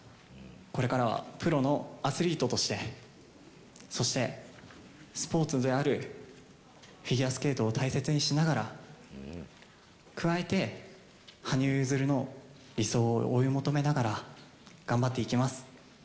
これからはプロのアスリートとして、そして、スポーツであるフィギュアスケートを大切にしながら、加えて羽生結弦の理想を追い求めながら、頑張っていきます。